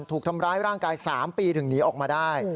ถูกทำร้ายร่างกาย๓ปีถึงหนีออกมาได้